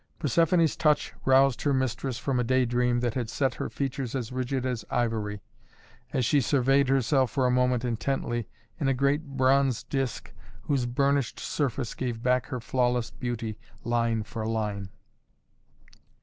Persephoné's touch roused her mistress from a day dream that had set her features as rigid as ivory, as she surveyed herself for a moment intently in a great bronze disk whose burnished surface gave back her flawless beauty line for line.